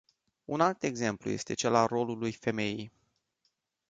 Un alt exemplu este cel al rolului femeii.